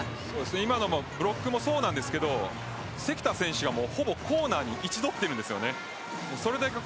今のブロックもそうなんですけど関田選手がほぼコーナーに位置どっています。